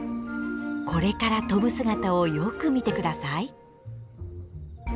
これから飛ぶ姿をよく見て下さい。